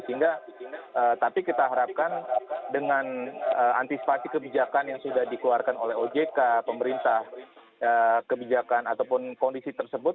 sehingga tapi kita harapkan dengan antisipasi kebijakan yang sudah dikeluarkan oleh ojk pemerintah kebijakan ataupun kondisi tersebut